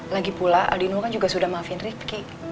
lagipula aldino kan juga sudah maafin rifki